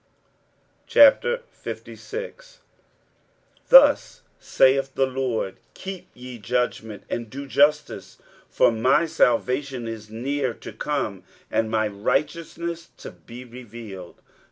23:056:001 Thus saith the LORD, Keep ye judgment, and do justice: for my salvation is near to come, and my righteousness to be revealed.